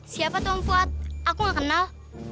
siapa tuh om fuad aku gak kenal